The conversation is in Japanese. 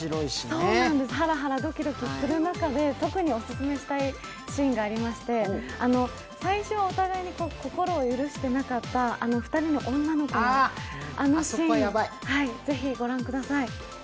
そうなんです、ハラハラドキドキする中で、特にオススメしたいシーンがありまして最初はお互いに心を許していなかった２人の女の子のあのシーン、ぜひ御覧ください。